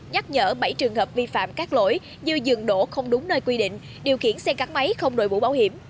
nhắc nhở bảy trường hợp vi phạm các lỗi như dừng đổ không đúng nơi quy định điều khiển xe cắt máy không đổi bộ bảo hiểm